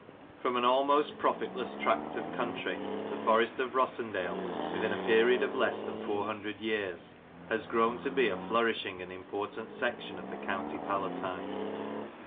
FROM an almost profitless tract of country, the Forest of Rossendale, within a period of less than four hundred years has grown to be a flourishing and important section of the County Palatine.